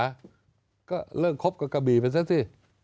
แต่ก็เลิกครบกับกระบี่ไปซะสิ